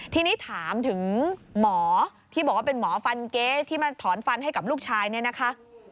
ทีนี้ถามถึงหมอที่บอกว่าเป็นหมอฟันเก๊ที่มาถอนฟันให้กับลูกชายเนี่ยนะคะ